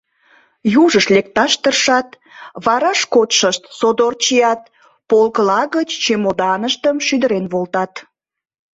Южышт лекташ тыршат, вараш кодшышт содор чият, полкыла гыч чемоданыштым шӱдырен волтат.